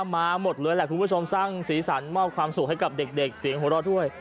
มาหมดเลยแหละคุณผู้ชมสร้างสีสันมอบความสุขให้กับเด็กเสียงหัวเราะด้วย